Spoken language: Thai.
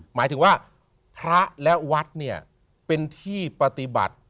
หมายถึงว่าพระและวัดเนี่ยเป็นที่ปฏิบัติ